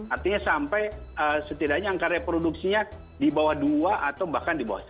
artinya sampai setidaknya angka reproduksinya di bawah dua atau bahkan di bawah satu